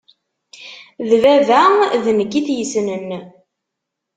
D baba d nekk i t-yessnen.